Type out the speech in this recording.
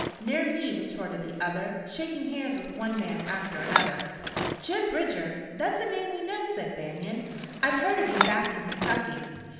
"Ner me," retorted the other, shaking hands with one man after another. "Jim Bridger? That's a name we know," said Banion. "I've heard of you back in Kentucky."